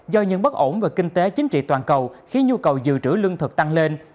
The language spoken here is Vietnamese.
do những bất ổn về kinh tế chính trị toàn cầu khiến nhu cầu dự trữ lương thực tăng lên